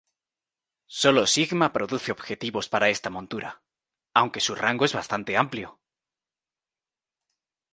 Solo Sigma produce objetivos para esta montura, aunque su rango es bastante amplio.